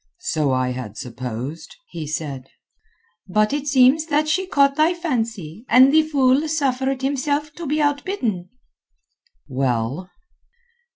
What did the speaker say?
"So I had supposed," he said. "But it seems that she caught thy fancy, and the fool suffered himself to be outbidden." "Well?"